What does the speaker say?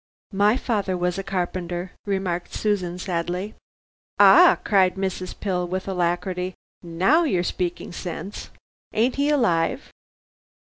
"My father was a carpenter," remarked Susan, sadly. "Ah," cried Mrs. Pill with alacrity, "now you're speaking sense. Ain't he alive?"